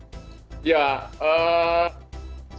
ya spektrum kebenaran